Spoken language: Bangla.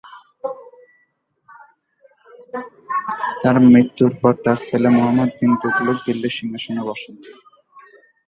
তার মৃত্যুর পর তার ছেলে মুহাম্মদ বিন তুগলক দিল্লির সিংহাসনে বসেন।